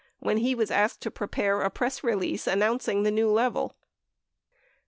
628 when he was asked to prepare a press release announcing the new level.